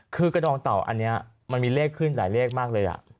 คือกระดองเต่าอันนี้มันมีเลขขึ้นหลายเลขมากเลย